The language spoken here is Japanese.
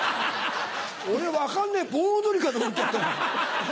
俺分かんねえ盆踊りかと思っちゃった。